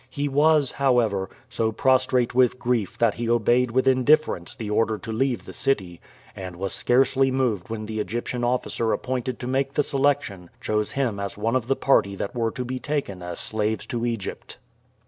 He was, however, so prostrate with grief that he obeyed with indifference the order to leave the city, and was scarcely moved when the Egyptian officer appointed to make the selection chose him as one of the party that were to be taken as slaves to Egypt.